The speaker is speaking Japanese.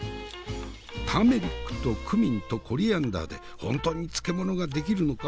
ターメリックとクミンとコリアンダーで本当に漬物が出来るのか？